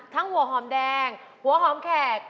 หัวหอมแดงหัวหอมแขก